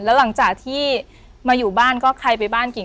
แล้วหลังจากที่มาอยู่บ้านก็ใครไปบ้านกิ่ง